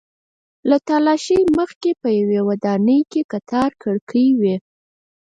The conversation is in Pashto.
له تالاشۍ مخکې په یوې ودانۍ کې کتار کړکۍ وې.